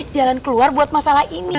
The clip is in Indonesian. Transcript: jalan keluar buat masalah ini